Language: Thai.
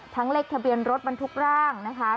เลขทะเบียนรถบรรทุกร่างนะคะ